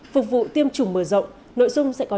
phục vụ tiêm chủng mở rộng nội dung sẽ có